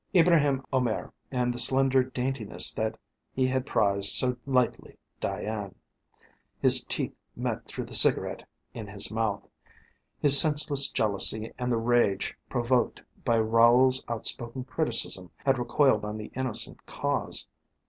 Ibraheim Omair and the slender daintiness that he had prized so lightly. Diane! His teeth met through the cigarette in his mouth. His senseless jealousy and the rage provoked by Raoul's outspoken criticism had recoiled on the innocent cause.